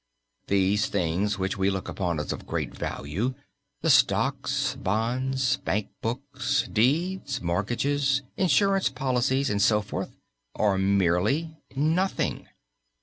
These things which we look upon as of great value: the stocks, bonds, bank books, deeds, mortgages, insurance policies, etc., are merely nothing.